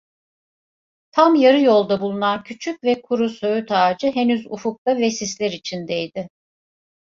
Tam yarı yolda bulunan küçük ve kuru söğüt ağacı henüz ufukta ve sisler içindeydi.